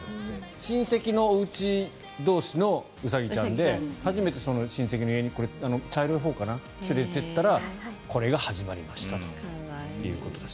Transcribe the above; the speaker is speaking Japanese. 親戚のおうち同士のウサギちゃんで初めて親せきの家に茶色いほうかな、連れていったらこれが始まりましたということです。